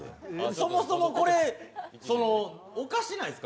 そもそもこれ、おかしないですか？